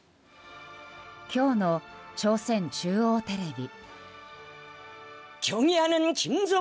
今日の朝鮮中央テレビ。